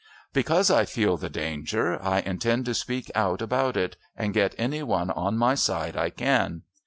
"Because I feel the danger, I intend to speak out about it, and get any one on my side I can.